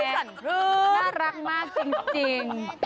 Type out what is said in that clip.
น่ารักมากจริง